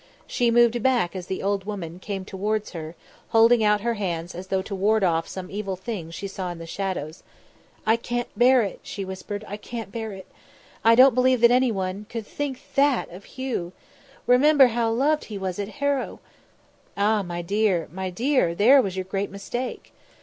She moved back as the old woman, came towards her, holding out her hands as though to ward off some evil thing she saw in the shadows. "I can't bear it," she whispered; "I can't bear it. I don't believe that anyone, could think that of Hugh. Remember how loved he was at Harrow " "Ah! my dear, my dear, there was your great mistake